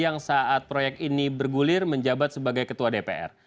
yang saat proyek ini bergulir menjabat sebagai ketua dpr